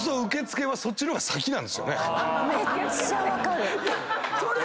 めっちゃ分かる！